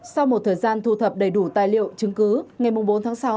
sau một thời gian thu thập đầy đủ tài liệu chứng cứ ngày bốn tháng sáu